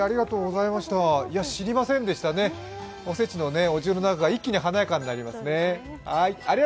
知りませんでしたね、おせちのお重の中が一気に華やかになりますね。